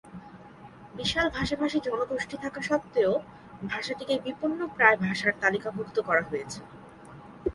বিশাল ভাষাভাষী জনগোষ্ঠী থাকা সত্ত্বেও ভাষাটিকে বিপন্নপ্রায় ভাষার তালিকাভূক্ত করা হয়েছে।